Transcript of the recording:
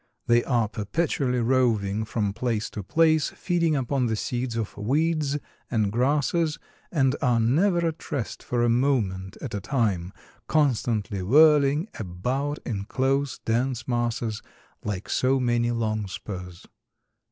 They are perpetually roving from place to place feeding upon the seeds of weeds and grasses and are never at rest for a moment at a time, constantly whirling about in close, dense masses, like so many longspurs."